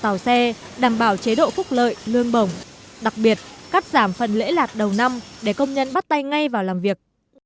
tạo xe đảm bảo chế độ phúc lợi lương bổng đặc biệt cắt giảm phần lễ lạc đầu năm để công nhân bắt tay ngay vào làm việc